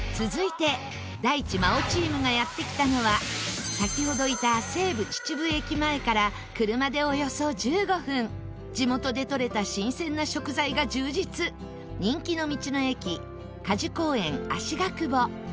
続いて大地真央チームがやって来たのは先ほどいた西武秩父駅前から車でおよそ１５分地元でとれた新鮮な食材が充実人気の道の駅果樹公園あしがくぼ。